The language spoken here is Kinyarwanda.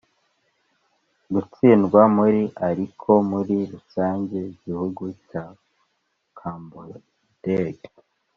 Gutsindwa muri ariko muri rusange igihugu cya cambodge